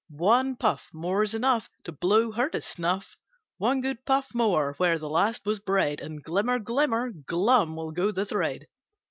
"One puff More's enough To blow her to snuff! One good puff more where the last was bred, And glimmer, glimmer, glum will go the thread!"